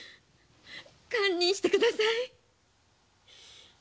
堪忍して下さい。